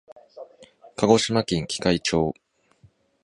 鹿児島県喜界町